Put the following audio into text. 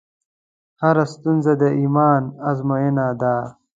هره ستونزه د ایمان ازموینه ده.